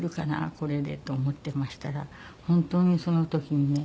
これでと思ってましたら本当にその時にね。